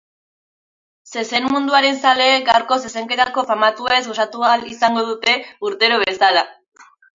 Zezen munduaren zaleak gaurko zezenketako famatuez gozatu ahal izango dute urtero bezala.